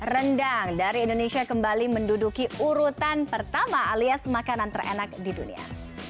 rendang dari indonesia kembali menduduki urutan pertama alias makanan terenak di dunia